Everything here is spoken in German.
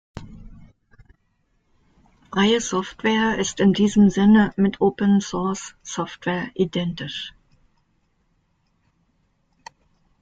Freie Software ist in diesem Sinne mit Open-Source-Software identisch.